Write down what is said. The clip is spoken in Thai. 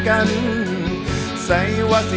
ขอบคุณมาก